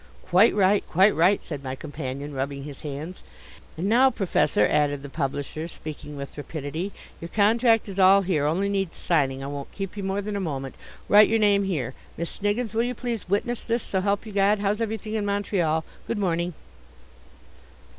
"Quite right, quite right!" said my companion, rubbing his hands. "And now, professor," added the publisher, speaking with rapidity, "your contract is all here only needs signing. I won't keep you more than a moment write your name here. Miss Sniggins will you please witness this so help you God how's everything in Montreal good morning."